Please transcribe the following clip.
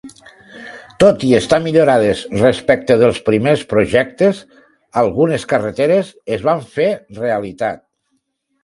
Tot i estar millorades respecte dels primers projectes, algunes carreteres es van fer realitat.